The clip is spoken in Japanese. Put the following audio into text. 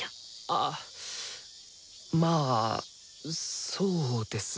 あまあそうですね。